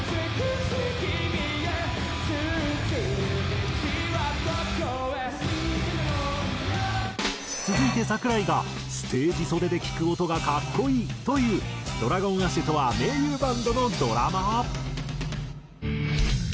「通づる道はどこへ」続いて櫻井が「ステージ袖で聴く音が格好いい」と言うＤｒａｇｏｎＡｓｈとは盟友バンドのドラマー。